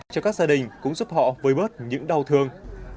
cho các gia đình cũng giúp họ vơi bớt những đau thương